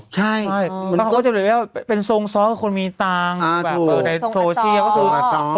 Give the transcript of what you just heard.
ใช่เพราะเขาก็จะเป็นทรงซ้อกับคนมีตังค์